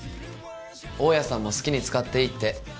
大家さんも好きに使っていいって。